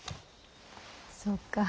そうかい。